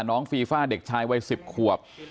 น้องฟีฟ้าเด็กชายวัย๑๐ขวบ